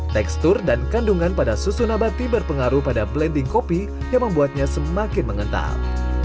tekstur dan kandungan pada susu nabati berpengaruh pada blending kopi yang membuatnya semakin mengental